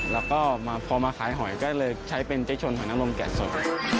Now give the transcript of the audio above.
แล้วก็พอมาขายหอยก็เลยใช้เป็นเจ๊ชนหอยน้ำนมแกะสด